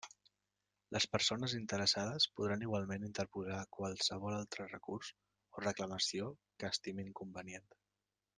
Les persones interessades podran igualment interposar qualsevol altre recurs o reclamació que estimin convenient.